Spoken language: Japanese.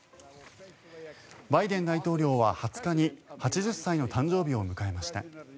バイデン大統領は２０日に８０歳の誕生日を迎えました。